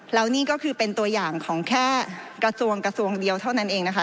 แล้วนี่ก็คือเป็นตัวอย่างของแค่กระทรวงกระทรวงเดียวเท่านั้นเองนะคะ